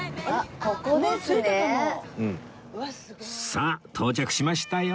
さあ到着しましたよ！